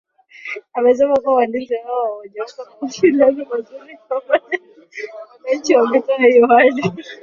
Amesema kuwa Walinzi hao hawajaweka mawasiliano mazuri pamoja na wananchi wa mitaa hiyo hali